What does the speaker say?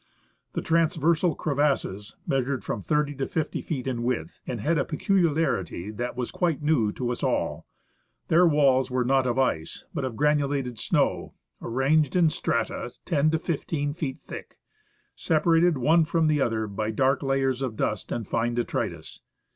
The transversal crevasses measured from 30 to 50 feet in width, and had a pecuHarity that was quite new ' to us all. Their walls were not of ice but of granulated snow, arranged in strata 10 to 15 feet thick, separated one from the other by darker layers of dust and fine detritus.